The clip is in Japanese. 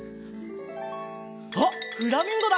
あっフラミンゴだ！